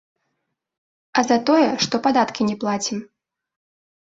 А за тое, што падаткі не плацім.